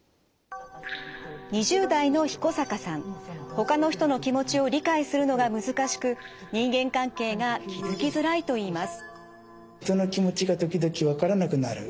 ほかの人の気持ちを理解するのが難しく人間関係が築きづらいといいます。